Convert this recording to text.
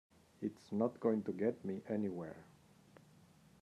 It's not going to get me anywhere.